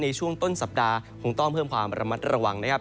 ในช่วงต้นสัปดาห์คงต้องเพิ่มความระมัดระวังนะครับ